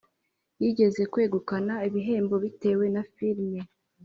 Yigeze kwegukana ibihembo bitewe na Filime